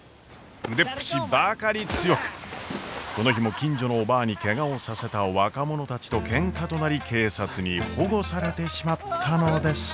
腕っぷしばかり強くこの日も近所のおばぁにケガをさせた若者たちとケンカとなり警察に保護されてしまったのです。